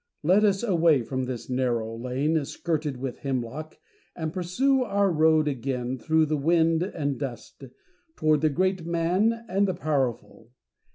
Let us away from this narrow lane skirted with hemlock, and pursue our road again through the wind and dust, toward the great man and the powerful.